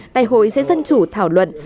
đại hội sẽ dân chủ thảo luận